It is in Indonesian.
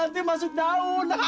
nanti masuk daun hahaha